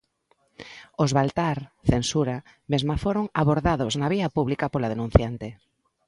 Os Baltar, censura, mesmo foron "abordados na vía pública" pola denunciante.